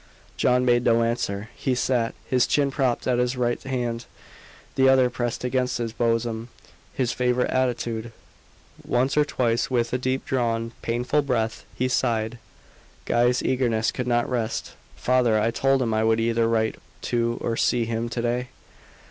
'" John made no answer. He sat, his chin propped on his right hand, the other pressed against his bosom his favourite attitude. Once or twice, with a deep drawn, painful breath, he sighed. Guy's eagerness could not rest. "Father, I told him I would either write to or see him to day."